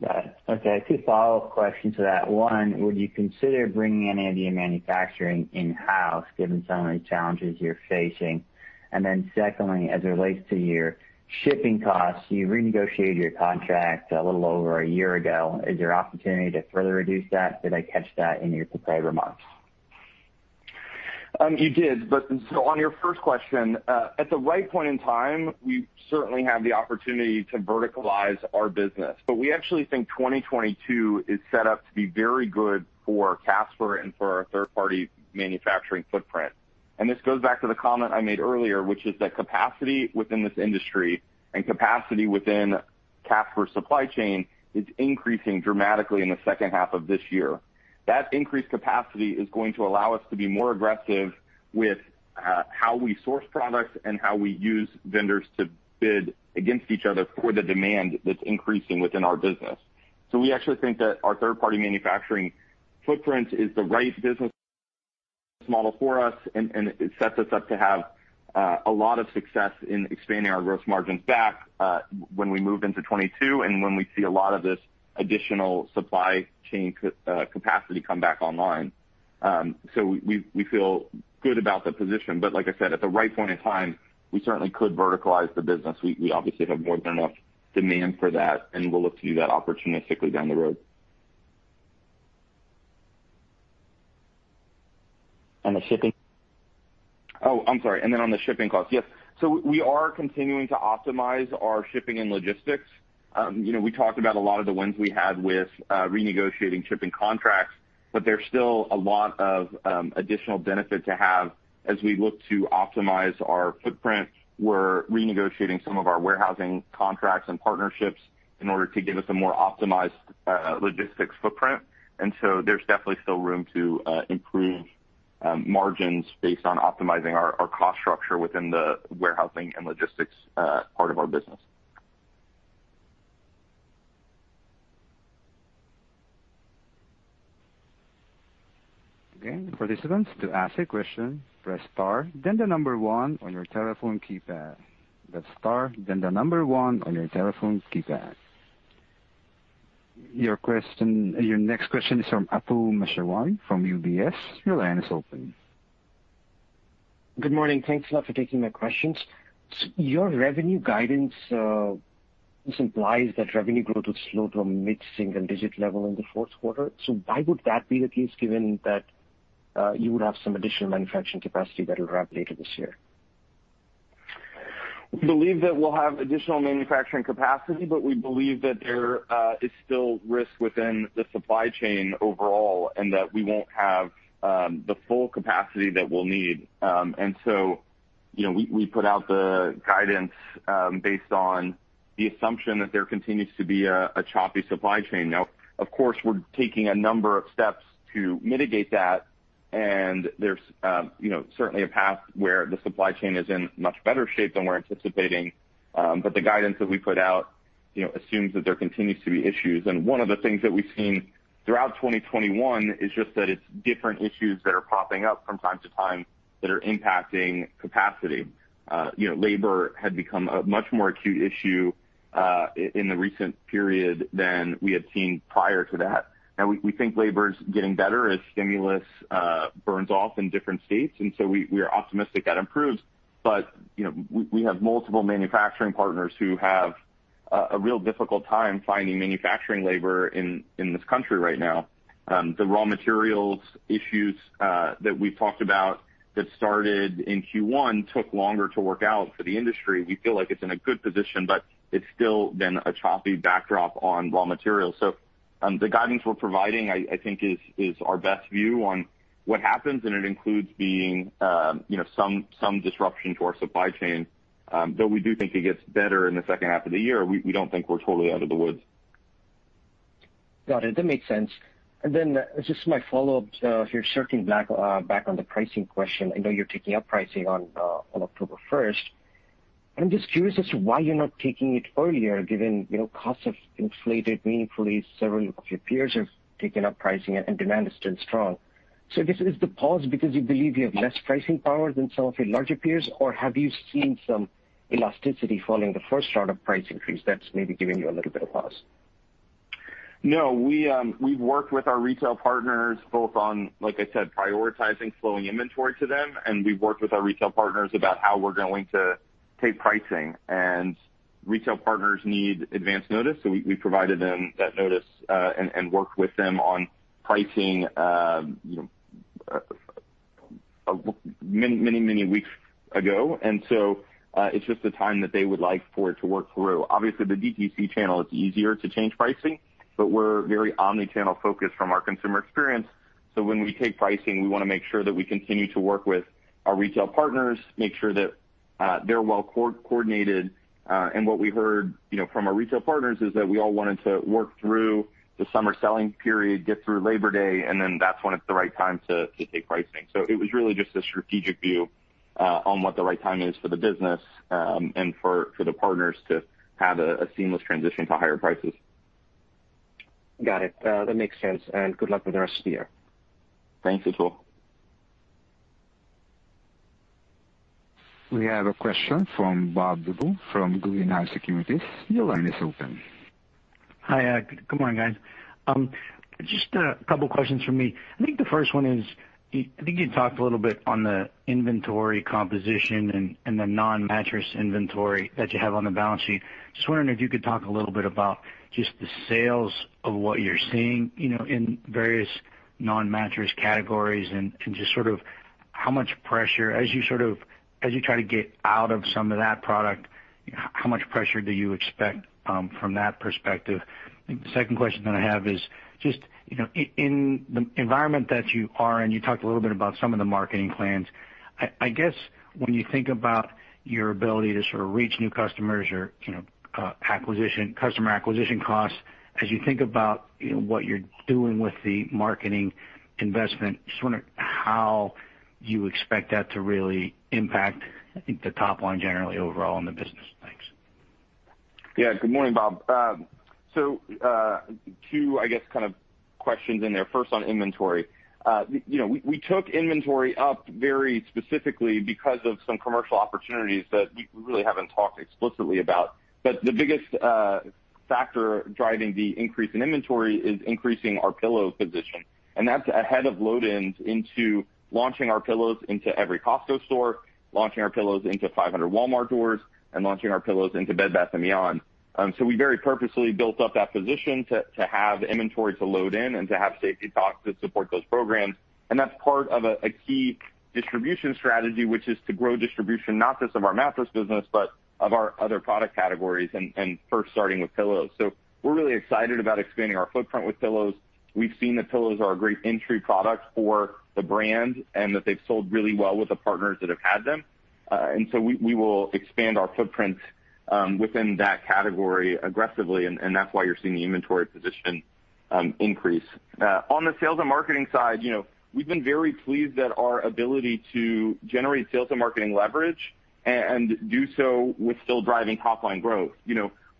Got it. Okay, two follow-up questions to that. One, would you consider bringing any of your manufacturing in-house given some of the challenges you're facing? Secondly, as it relates to your shipping costs, you renegotiated your contract a little over a year ago. Is there opportunity to further reduce that? Did I catch that in your prepared remarks? You did. On your first question, at the right point in time, we certainly have the opportunity to verticalize our business. We actually think 2022 is set up to be very good for Casper and for our third-party manufacturing footprint. This goes back to the comment I made earlier, which is that capacity within this industry and capacity within Casper supply chain is increasing dramatically in the second half of this year. That increased capacity is going to allow us to be more aggressive with how we source products and how we use vendors to bid against each other for the demand that's increasing within our business We actually think that our third-party manufacturing footprint is the right business model for us, and it sets us up to have a lot of success in expanding our gross margins back when we move into 2022 and when we see a lot of this additional supply chain capacity come back online. We feel good about the position, but like I said, at the right point in time, we certainly could verticalize the business. We obviously have more than enough demand for that, and we'll look to do that opportunistically down the road. The shipping? Oh, I'm sorry. On the shipping cost, yes. We are continuing to optimize our shipping and logistics. We talked about a lot of the wins we had with renegotiating shipping contracts, but there's still a lot of additional benefit to have as we look to optimize our footprint. We're renegotiating some of our warehousing contracts and partnerships in order to give us a more optimized logistics footprint, there's definitely still room to improve margins based on optimizing our cost structure within the warehousing and logistics part of our business. Again, for participants, to ask a question, press star then the number one on your telephone keypad. Press star then the number one on your telephone keypad. Your next question is from Atul Maheswari from UBS. Your line is open. Good morning. Thanks a lot for taking my questions. Your revenue guidance, this implies that revenue growth would slow to a mid-single digit level in the fourth quarter. Why would that be the case given that you would have some additional manufacturing capacity that will ramp later this year? We believe that we'll have additional manufacturing capacity, but we believe that there is still risk within the supply chain overall and that we won't have the full capacity that we'll need. We put out the guidance based on the assumption that there continues to be a choppy supply chain. Now, of course, we're taking a number of steps to mitigate that, and there's certainly a path where the supply chain is in much better shape than we're anticipating. The guidance that we put out assumes that there continues to be issues. One of the things that we've seen throughout 2021 is just that it's different issues that are popping up from time to time that are impacting capacity. Labor had become a much more acute issue in the recent period than we had seen prior to that. Now we think labor is getting better as stimulus burns off in different states, we are optimistic that improves. We have multiple manufacturing partners who have a real difficult time finding manufacturing labor in this country right now. The raw materials issues that we've talked about that started in Q1 took longer to work out for the industry. We feel like it's in a good position, but it's still been a choppy backdrop on raw materials. The guidance we're providing, I think, is our best view on what happens, and it includes being some disruption to our supply chain. We do think it gets better in the second half of the year, we don't think we're totally out of the woods. Got it. That makes sense. Just my follow-up, if you're circling back on the pricing question, I know you're taking up pricing on October 1st. I'm just curious as to why you're not taking it earlier given costs have inflated meaningfully, several of your peers have taken up pricing, and demand is still strong. Is the pause because you believe you have less pricing power than some of your larger peers, or have you seen some elasticity following the first round of price increase that's maybe giving you a little bit of pause? No. We've worked with our retail partners both on, like I said, prioritizing flowing inventory to them. We've worked with our retail partners about how we're going to take pricing. Retail partners need advance notice. We provided them that notice and worked with them on pricing many weeks ago. It's just the time that they would like for it to work through. Obviously, the DTC channel is easier to change pricing. We're very omnichannel focused from our consumer experience. When we take pricing, we want to make sure that we continue to work with our retail partners, make sure that they're well coordinated. What we heard from our retail partners is that we all wanted to work through the summer selling period, get through Labor Day. That's when it's the right time to take pricing. It was really just a strategic view on what the right time is for the business and for the partners to have a seamless transition to higher prices. Got it. That makes sense, and good luck with the rest of the year. Thank you. We have a question from Bob Drbul from Guggenheim Securities. Your line is open. Hi. Good morning, guys. Just a couple of questions from me. I think the first one is, I think you talked a little bit on the inventory composition and the non-mattress inventory that you have on the balance sheet. Just wondering if you could talk a little bit about just the sales of what you're seeing, in various non-mattress categories, and just how much pressure, as you try to get out of some of that product, how much pressure do you expect from that perspective? I think the second question that I have is just, in the environment that you are in, you talked a little bit about some of the marketing plans. I guess when you think about your ability to sort of reach new customers or, acquisition, customer acquisition costs, as you think about what you're doing with the marketing investment, just wondering how you expect that to really impact, I think, the top line generally overall in the business. Thanks. Yeah. Good morning, Bob. two, I guess, kind of questions in there. First, on inventory. We took inventory up very specifically because of some commercial opportunities that we really haven't talked explicitly about. the biggest factor driving the increase in inventory is increasing our pillow position, and that's ahead of load-ins into launching our pillows into every Costco store, launching our pillows into 500 Walmart doors, and launching our pillows into Bed Bath & Beyond. we very purposefully built up that position to have inventory to load in and to have safety stocks to support those programs. that's part of a key distribution strategy, which is to grow distribution, not just of our mattress business, but of our other product categories, and first starting with pillows. we're really excited about expanding our footprint with pillows. We've seen that pillows are a great entry product for the brand, and that they've sold really well with the partners that have had them. We will expand our footprint within that category aggressively, and that's why you're seeing the inventory position increase. On the sales and marketing side, we've been very pleased at our ability to generate sales and marketing leverage and do so with still driving top-line growth.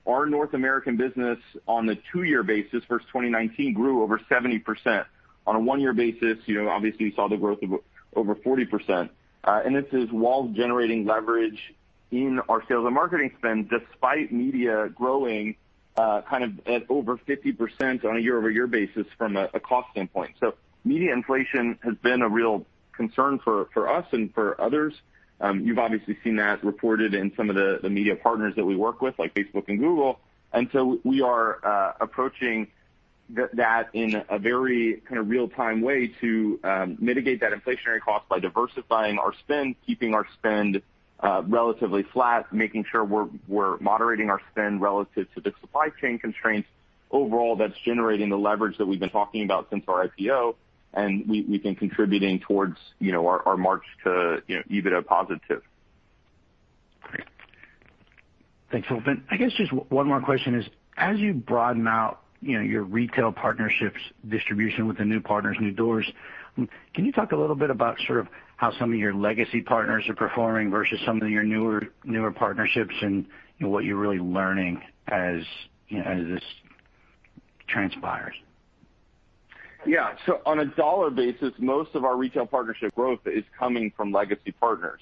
Our North American business on the two-year basis versus 2019 grew over 70%. On a one-year basis, obviously you saw the growth of over 40%, and this is while generating leverage in our sales and marketing spend, despite media growing kind of at over 50% on a year-over-year basis from a cost standpoint. Media inflation has been a real concern for us and for others. You've obviously seen that reported in some of the media partners that we work with, like Facebook and Google. We are approaching that in a very kind of real-time way to mitigate that inflationary cost by diversifying our spend, keeping our spend relatively flat, making sure we're moderating our spend relative to the supply chain constraints. Overall, that's generating the leverage that we've been talking about since our IPO, and we've been contributing towards our march to EBITDA positive. Great. Thanks, Philip. I guess just one more question is, as you broaden out your retail partnerships distribution with the new partners, new doors, can you talk a little bit about sort of how some of your legacy partners are performing versus some of your newer partnerships and what you're really learning as this transpires? On a dollar basis, most of our retail partnership growth is coming from legacy partners.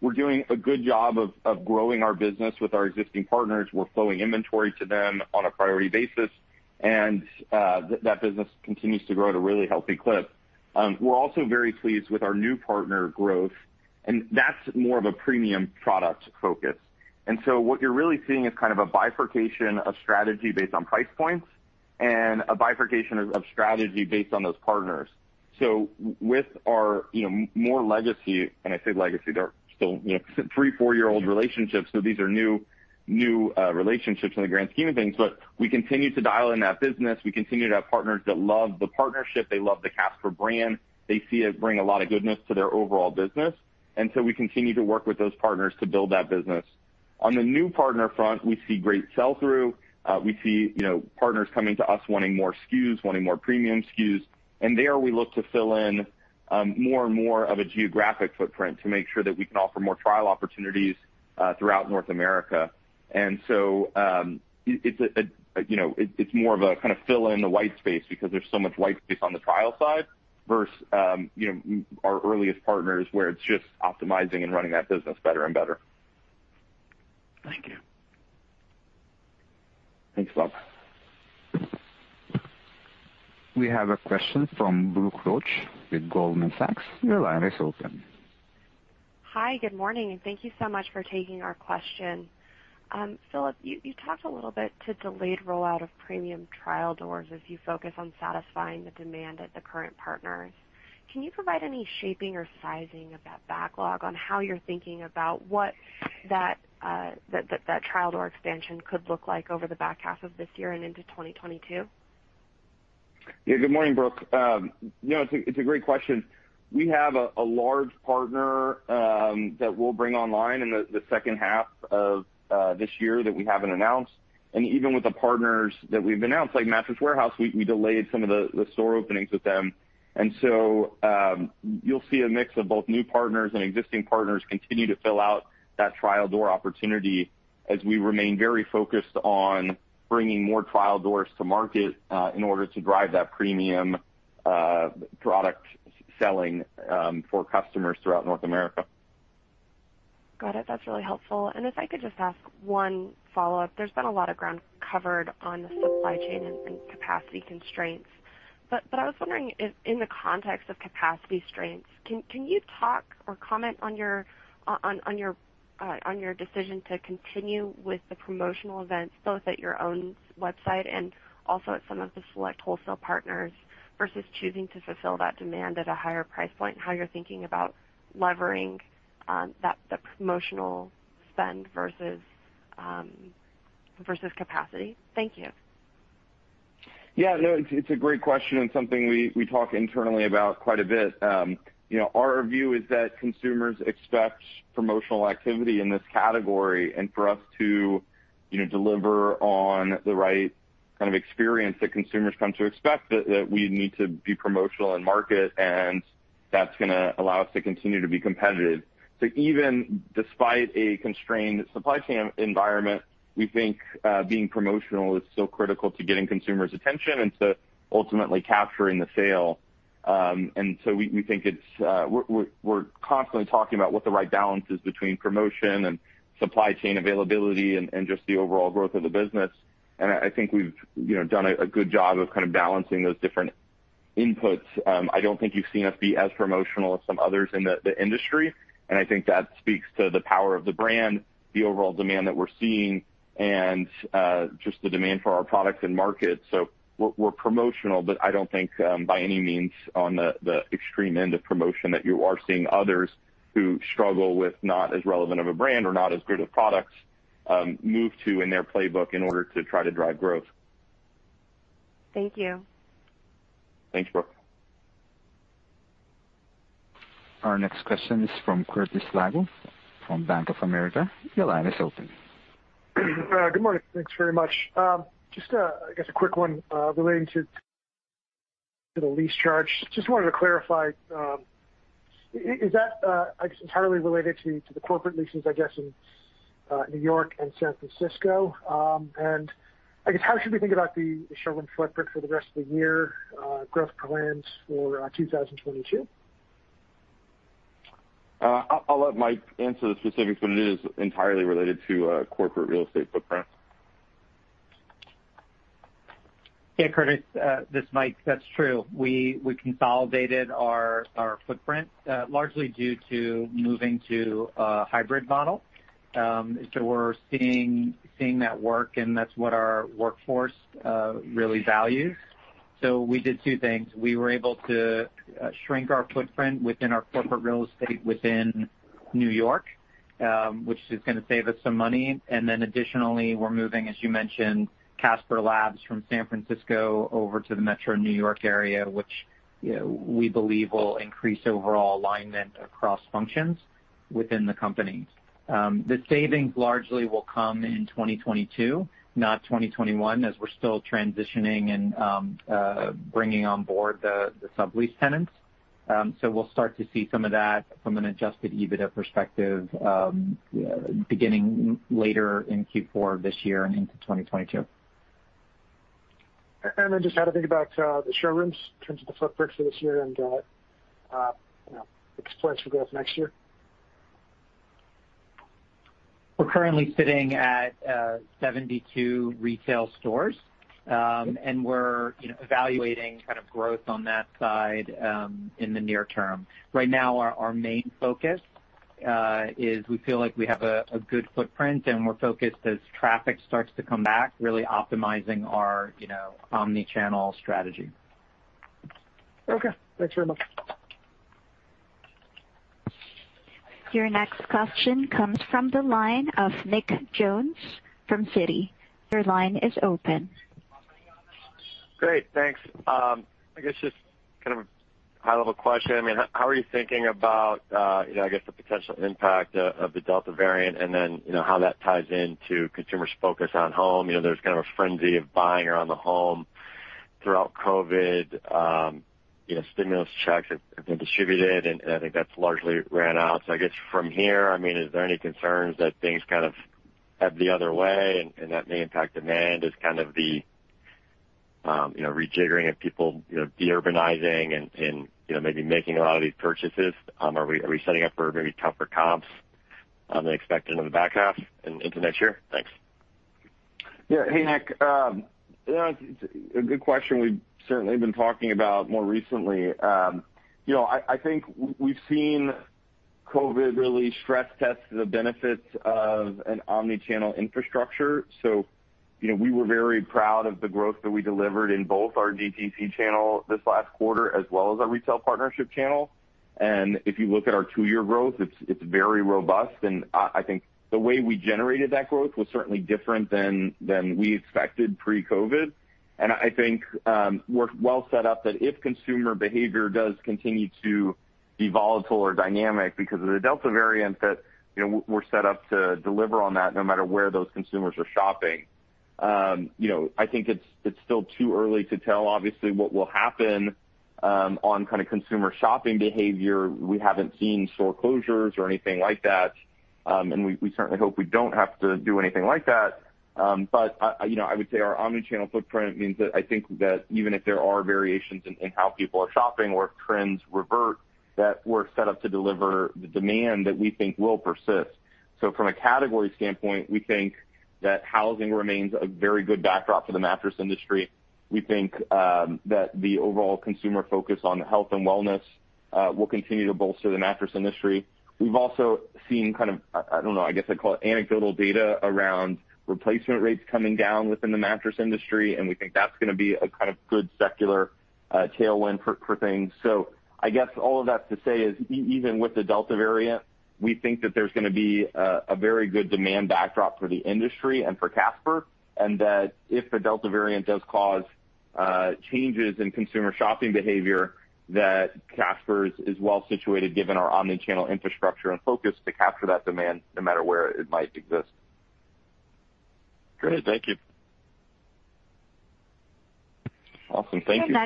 We're doing a good job of growing our business with our existing partners. We're flowing inventory to them on a priority basis, and that business continues to grow at a really healthy clip. We're also very pleased with our new partner growth, and that's more of a premium product focus. What you're really seeing is kind of a bifurcation of strategy based on price points and a bifurcation of strategy based on those partners. With our more legacy, and I say legacy, they're still three to four year old relationships, these are new relationships in the grand scheme of things. We continue to dial in that business. We continue to have partners that love the partnership. They love the Casper brand. They see it bring a lot of goodness to their overall business. We continue to work with those partners to build that business. On the new partner front, we see great sell-through. We see partners coming to us wanting more SKUs, wanting more premium SKUs. There, we look to fill in more and more of a geographic footprint to make sure that we can offer more trial opportunities throughout North America. It's more of a kind of fill in the white space because there's so much white space on the trial side versus our earliest partners, where it's just optimizing and running that business better and better. Thank you. Thanks, Bob. We have a question from Brooke Roach with Goldman Sachs. Your line is open. Hi, good morning, and thank you so much for taking our question. Philip, you talked a little bit to delayed rollout of premium trial doors as you focus on satisfying the demand at the current partners. Can you provide any shaping or sizing of that backlog on how you're thinking about what that trial door expansion could look like over the back half of this year and into 2022? Yeah. Good morning, Brooke. It's a great question. We have a large partner, that we'll bring online in the second half of this year that we haven't announced. Even with the partners that we've announced, like Mattress Warehouse, we delayed some of the store openings with them. You'll see a mix of both new partners and existing partners continue to fill out that trial door opportunity as we remain very focused on bringing more trial doors to market, in order to drive that premium product selling for customers throughout North America. Got it. That's really helpful. If I could just ask one follow-up, there's been a lot of ground covered on the supply chain and capacity constraints. I was wondering if in the context of capacity constraints, can you talk or comment on your decision to continue with the promotional events, both at your own website and also at some of the select wholesale partners, versus choosing to fulfill that demand at a higher price point, and how you're thinking about levering that promotional spend versus capacity? Thank you. Yeah, no, it's a great question and something we talk internally about quite a bit. Our view is that consumers expect promotional activity in this category, and for us to deliver on the right kind of experience that consumers come to expect, that we need to be promotional in market, and that's going to allow us to continue to be competitive. Even despite a constrained supply chain environment, we think being promotional is still critical to getting consumers' attention and to ultimately capturing the sale. We're constantly talking about what the right balance is between promotion and supply chain availability and just the overall growth of the business. I think we've done a good job of kind of balancing those different inputs. I don't think you've seen us be as promotional as some others in the industry, and I think that speaks to the power of the brand, the overall demand that we're seeing, and just the demand for our products and markets. We're promotional, but I don't think by any means on the extreme end of promotion that you are seeing others who struggle with not as relevant of a brand or not as good of products move to in their playbook in order to try to drive growth. Thank you. Thanks, Brooke. Our next question is from Curtis Nagle from Bank of America. Your line is open. Good morning. Thanks very much. Just, I guess, a quick one relating to the lease charge. Just wanted to clarify, is that, I guess, entirely related to the corporate leases, I guess, in New York and San Francisco? I guess how should we think about the showroom footprint for the rest of the year, growth plans for 2022? I'll let Mike answer the specifics, but it is entirely related to corporate real estate footprint. Yeah, Curtis, this is Mike. That's true. We consolidated our footprint largely due to moving to a hybrid model. We're seeing that work, and that's what our workforce really values. We did two things. We were able to shrink our footprint within our corporate real estate within New York, which is going to save us some money. Additionally, we're moving, as you mentioned, Casper Labs from San Francisco over to the metro New York area, which we believe will increase overall alignment across functions within the company. The savings largely will come in 2022, not 2021, as we're still transitioning and bringing on board the sublease tenants. We'll start to see some of that from an adjusted EBITDA perspective beginning later in Q4 of this year and into 2022. Just how to think about the showrooms in terms of the footprint for this year and its plans for growth next year. We're currently sitting at 72 retail stores, and we're evaluating kind of growth on that side in the near term. Right now, our main focus is we feel like we have a good footprint, and we're focused as traffic starts to come back, really optimizing our omnichannel strategy. Okay. Thanks very much. Your next question comes from the line of Nick Jones from Citi. Your line is open. Great. Thanks. I guess just kind of a high-level question. How are you thinking about the potential impact of the Delta variant and then how that ties into consumers' focus on home? There's kind of a frenzy of buying around the home throughout COVID. Stimulus checks have been distributed, and I think that's largely ran out. I guess from here, is there any concerns that things kind of ebb the other way and that may impact demand as kind of the rejiggering of people deurbanizing and maybe making a lot of these purchases? Are we setting up for maybe tougher comps than expected in the back half into next year? Thanks. Yeah. Hey, Nick. A good question we've certainly been talking about more recently. I think we've seen COVID really stress test the benefits of an omnichannel infrastructure. We were very proud of the growth that we delivered in both our DTC channel this last quarter as well as our retail partnership channel. If you look at our two-year growth, it's very robust, and I think the way we generated that growth was certainly different than we expected pre-COVID. I think we're well set up that if consumer behavior does continue to be volatile or dynamic because of the Delta variant, that we're set up to deliver on that no matter where those consumers are shopping. I think it's still too early to tell, obviously, what will happen on kind of consumer shopping behavior. We haven't seen store closures or anything like that. We certainly hope we don't have to do anything like that. I would say our omni-channel footprint means that I think that even if there are variations in how people are shopping or if trends revert, that we're set up to deliver the demand that we think will persist. From a category standpoint, we think that housing remains a very good backdrop for the mattress industry. We think that the overall consumer focus on health and wellness will continue to bolster the mattress industry. We've also seen kind of, I don't know, I guess I'd call it anecdotal data around replacement rates coming down within the mattress industry, and we think that's going to be a kind of good secular tailwind for things. I guess all of that's to say is, even with the Delta variant, we think that there's going to be a very good demand backdrop for the industry and for Casper, and that if the Delta variant does cause changes in consumer shopping behavior, that Casper is well-situated given our omni-channel infrastructure and focus to capture that demand no matter where it might exist. Great. Thank you. Awesome. Thank you.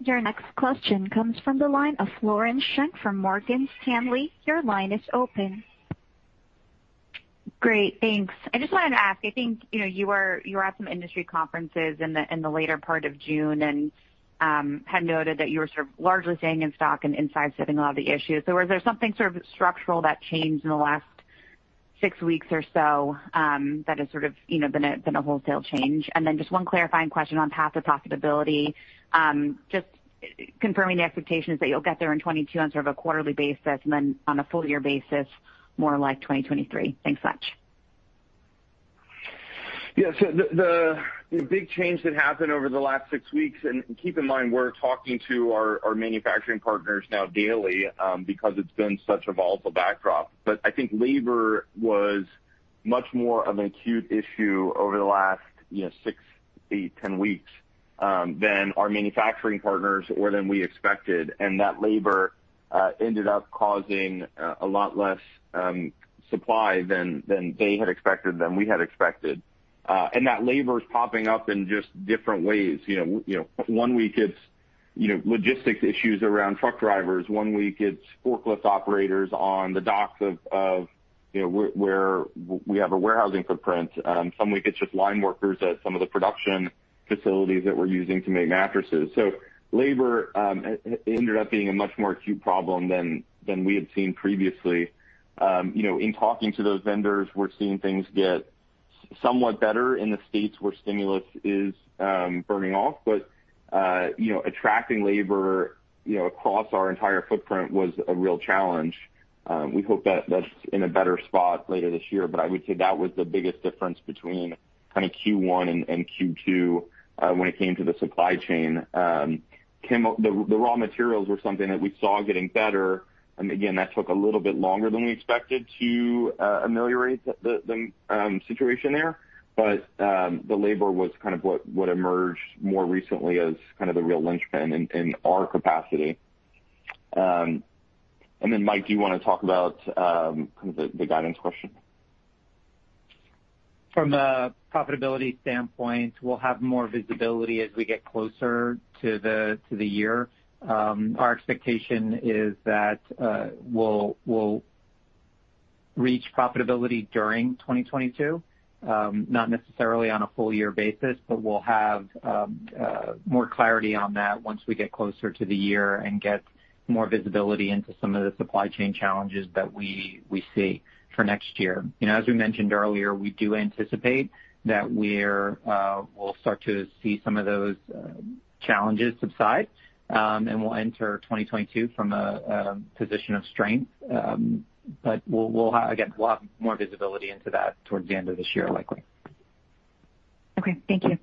Your next question comes from the line of Florence Shen from Morgan Stanley. Your line is open. Great. Thanks. I just wanted to ask, I think, you were at some industry conferences in the later part of June and had noted that you were sort of largely staying in stock and inside sitting a lot of the issues. Was there something sort of structural that changed in the last six weeks or so, that has sort of been a wholesale change? Just one clarifying question on path to profitability. Just confirming the expectations that you'll get there in 2022 on sort of a quarterly basis, and then on a full year basis, more like 2023. Thanks much. Yeah. The big change that happened over the last six weeks, and keep in mind, we're talking to our manufacturing partners now daily, because it's been such a volatile backdrop. I think labor was much more of an acute issue over the last six, eight, ten weeks, than our manufacturing partners or than we had expected, and that labor ended up causing a lot less supply than they had expected, than we had expected. That labor's popping up in just different ways. One week it's logistics issues around truck drivers. One week it's forklift operators on the docks of where we have a warehousing footprint. Some week it's just line workers at some of the production facilities that we're using to make mattresses. Labor ended up being a much more acute problem than we had seen previously. In talking to those vendors, we're seeing things get somewhat better in the states where stimulus is burning off. Attracting labor across our entire footprint was a real challenge. We hope that that's in a better spot later this year. I would say that was the biggest difference between kind of Q1 and Q2, when it came to the supply chain. The raw materials were something that we saw getting better, and again, that took a little bit longer than we expected to ameliorate the situation there. The labor was kind of what emerged more recently as kind of the real linchpin in our capacity. Mike, do you want to talk about kind of the guidance question? From a profitability standpoint, we'll have more visibility as we get closer to the year. Our expectation is that we'll reach profitability during 2022, not necessarily on a full year basis, but we'll have more clarity on that once we get closer to the year and get more visibility into some of the supply chain challenges that we see for next year. As we mentioned earlier, we do anticipate that we'll start to see some of those challenges subside, and we'll enter 2022 from a position of strength. Again, we'll have more visibility into that towards the end of this year, likely. Okay. Thank you.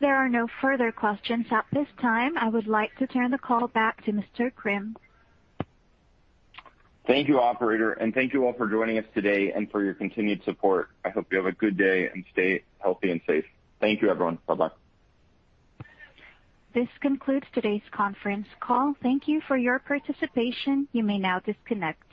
There are no further questions at this time. I would like to turn the call back to Mr. Krim. Thank you, operator, and thank you all for joining us today and for your continued support. I hope you have a good day and stay healthy and safe. Thank you everyone. Bye-bye. This concludes today's conference call. Thank you for your participation. You may now disconnect.